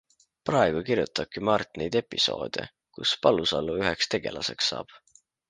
Praegu kirjutabki Mart neid episoode, kus Palusalu üheks tegelaseks saab.